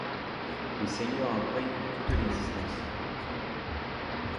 Le Seigneur imprègne toute l'existence.